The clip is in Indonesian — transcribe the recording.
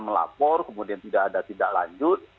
melapor kemudian tidak ada tindak lanjut